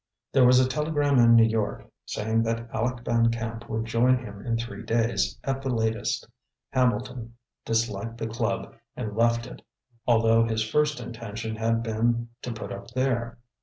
There was a telegram in New York saying that Aleck Van Camp would join him in three days, at the latest. Hambleton disliked the club and left it, although his first intention had been to put up there.